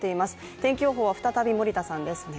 天気予報は再び森田さんです。